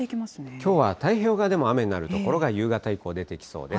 きょうは太平洋側でも雨になる所が、夕方以降、出てきそうです。